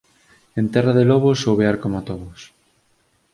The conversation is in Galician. En terra de lobos ouvear coma todos